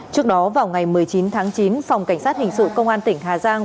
trước đó vào ngày một mươi chín tháng chín phòng cảnh sát hình sự công an tỉnh hà giang